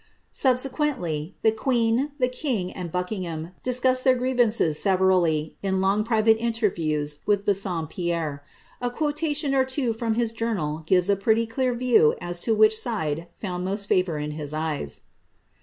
Subsequently, the queen, the king, and Buckingham discussed their grievances severally, in long private interviews with Bassompierre. A quotation or two from his journal gives a pretty clear view as to which side found most favour in his eyes.